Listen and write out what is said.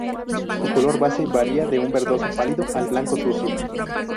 Su color base varía de un verdoso pálido al blanco sucio.